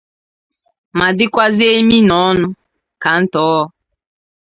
ma dịkwazie imi na ọnụ ka ntọọ.